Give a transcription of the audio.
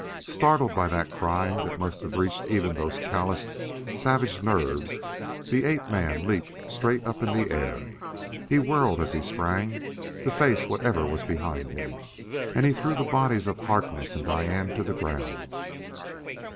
Startled by that cry that must have reached even those calloused, savage nerves, the ape man leaped straight up in the air. He whirled as he sprang, to face whatever was behind him, and he threw the bodies of Harkness and Diane to the ground.